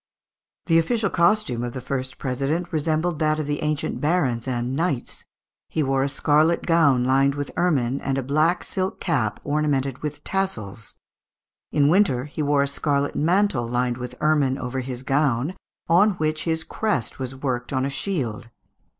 The official costume of the first president resembled that of the ancient barons and knights. He wore a scarlet gown lined with ermine, and a black silk cap ornamented with tassels. In winter he wore a scarlet mantle lined with ermine over his gown, on which his crest was worked on a shield.